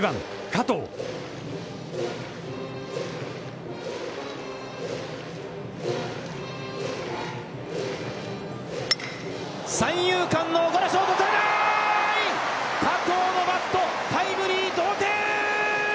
加藤のバット、タイムリー、同点！